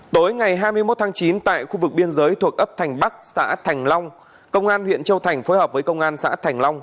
tối ngày hai mươi một tháng chín tại khu vực biên giới thuộc ấp thành bắc xã thành long công an huyện châu thành phối hợp với công an xã thành long